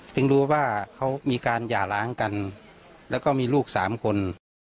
ถึงรู้ว่าเขามีการหย่าล้างกันแล้วก็มีลูก๓คน